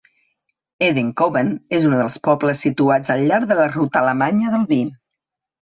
Edenkoben és un dels pobles situats al llarg de la Ruta Alemanya del Vi.